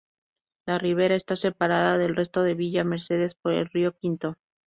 La Ribera está separada del resto de Villa Mercedes por el río Quinto.